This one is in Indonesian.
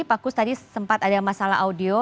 pak kus tadi sempat ada masalah audio